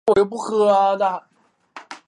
上师大中国慰安妇问题研究中心